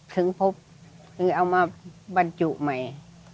ถึงพบคือเอามาบรรจุใหม่